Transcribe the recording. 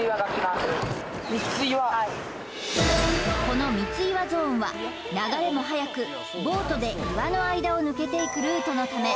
この三ツ岩ゾーンは流れも速くボートで岩の間を抜けていくルートのため